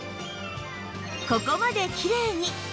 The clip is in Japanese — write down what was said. ここまできれいに！